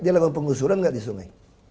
dia lakukan pengusuran nggak di sungai